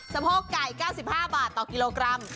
โพกไก่๙๕บาทต่อกิโลกรัม